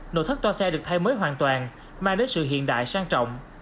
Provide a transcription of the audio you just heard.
nội thất toa xe được thay mới hoàn toàn mang đến sự hiện đại sang trọng